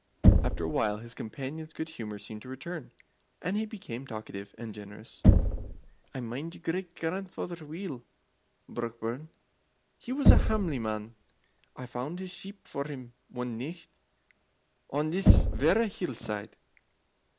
After a while his companion's good humour seemed to return, and he became talkative and generous. "I mind your great grandfather weel, Brockburn. He was a hamely man, I found his sheep for him one nicht on this verra hill side.